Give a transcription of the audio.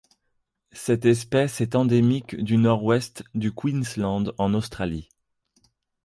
Cette espèce est endémique du Nord-Ouest du Queensland en Australie.